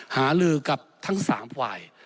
หาลือกับทั้ง๓ฝ่าย